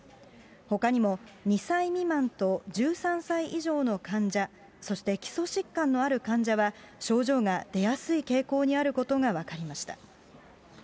ほかにも２歳未満と１３歳以上の患者、そして基礎疾患のある患者は症状が出やすい傾向にあることが分かりました。